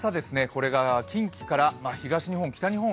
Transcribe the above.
これが近畿から東日本、北日本